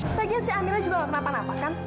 sebagian si amirnya juga gak kenapa napa kan